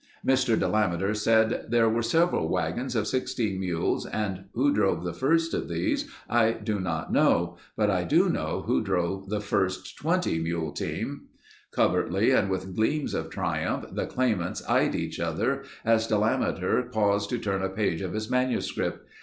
Mr. Delameter said: "There were several wagons of 16 mules and who drove the first of these, I do not know, but I do know who drove the first 20 mule team." Covertly and with gleams of triumph, the claimants eyed each other as Delameter paused to turn a page of his manuscript.